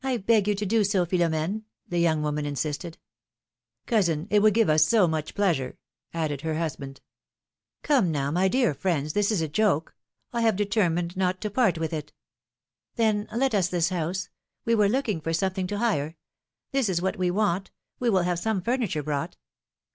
beg you to do so, Philornene," the young woman insisted. Cousin, it would give us so much pleasure!" added her husband. philomene's marriages. 75 Come, now, my clear friends, this is a joke ! I have determined not to part with it.'^ Then, let us this house ; we were looking for some thing to hire. This is what we want; we will have some furniture brought.